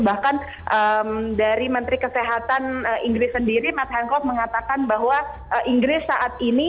bahkan dari menteri kesehatan inggris sendiri matt hangkok mengatakan bahwa inggris saat ini